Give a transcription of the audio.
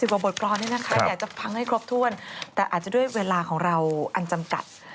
กว่าบทกรอนนี่นะคะอยากจะฟังให้ครบถ้วนแต่อาจจะด้วยเวลาของเราอันจำกัด